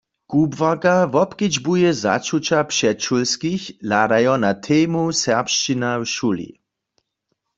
Kubłarka wobkedźbuje začuća předšulskich hladajo na temu serbšćina w šuli.